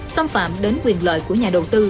xâm phạm đến quyền lợi của nhà đầu tư